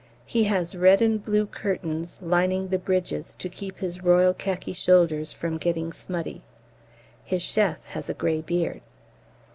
He has red and blue curtains lining the bridges to keep his royal khaki shoulders from getting smutty. His chef has a grey beard.